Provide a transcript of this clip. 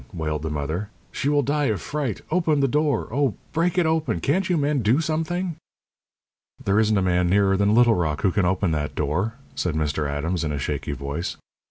wailed the mother. "She will die of fright! Open the door! Oh, break it open! Can't you men do something?" "There isn't a man nearer than Little Rock who can open that door," said Mr. Adams, in a shaky voice.